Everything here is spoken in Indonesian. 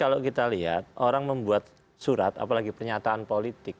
orang membuat surat apalagi pernyataan politik orang membuat surat apalagi pernyataan politik